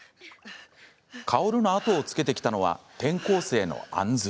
カオルの後をつけてきたのは転校生のあんず。